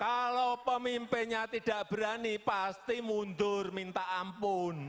kalau pemimpinnya tidak berani pasti mundur minta ampun